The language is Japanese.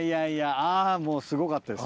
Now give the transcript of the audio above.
あぁもうすごかったです。